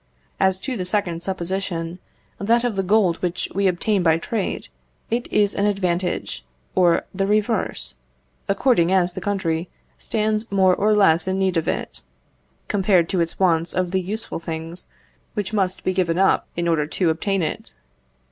As to the second supposition that of the gold which we obtain by trade; it is an advantage, or the reverse, according as the country stands more or less in need of it, compared to its wants of the useful things which must be given up in order to obtain it.